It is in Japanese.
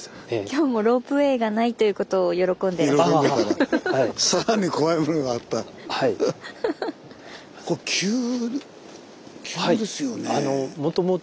今日もロープウエーがないということを喜んでらっしゃって。